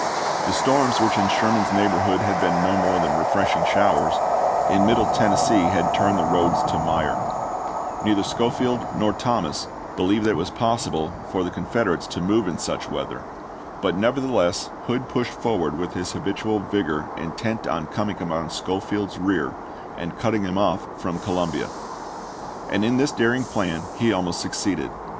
The storms which in Sherman's neighborhood had been no more than refreshing showers, in Middle Tennessee had turned the roads to mire; neither Schofield nor Thomas believed that it was possible for the Confederates to move in such weather, but nevertheless Hood pushed forward with his habitual vigor intent on coming upon Schofield's rear and cutting him off from Columbia ; and in this daring plan he almost succeeded.